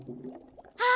あ！